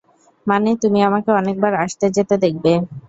মানে, তুমি আমাকে অনেকবার আসতে-যেতে দেখবে।